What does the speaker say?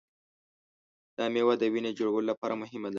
دا مېوه د وینې جوړولو لپاره مهمه ده.